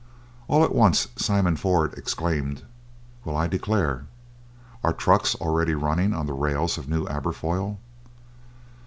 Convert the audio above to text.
All at once Simon Ford exclaimed, "Well, I declare! Are trucks already running on the rails of New Aberfoyle?"